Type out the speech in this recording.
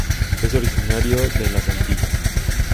Es originario de las Antillas.